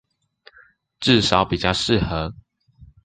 至少比較適合